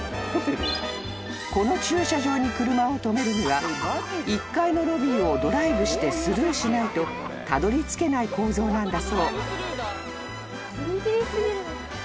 ［この駐車場に車を止めるには１階のロビーをドライブしてスルーしないとたどりつけない構造なんだそう］